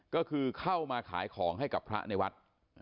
ก็คือเข้ามาขายของให้กับพระในวัด